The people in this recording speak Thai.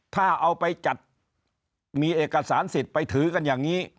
ถ้าเอาไปจัดมีเอกสารสิทธิ์ไปถือกันอย่างนี้